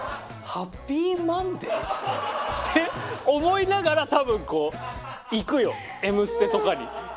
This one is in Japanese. Ｍｏｎｄａｙ！」？って思いながら多分こう行くよ『Ｍステ』とかに。